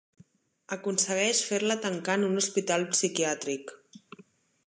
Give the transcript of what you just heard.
Aconsegueix fer-la tancar en un hospital psiquiàtric.